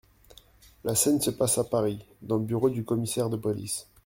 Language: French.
La scène se passe à Paris, dans le bureau du Commissaire de police.